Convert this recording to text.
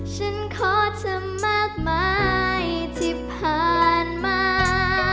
ฉันขอเธอมากมายที่ผ่านมา